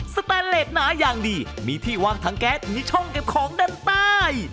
แตนเลสหนาอย่างดีมีที่วางถังแก๊สมีช่องเก็บของด้านใต้